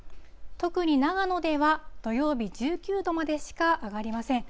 特に長野では、土曜日、１９度までしか上がりません。